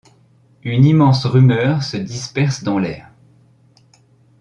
Une. immense rumeur se disperse dans l'air.